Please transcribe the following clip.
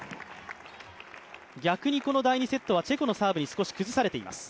逆にこの第２セットはチェコのサーブに少し崩されています。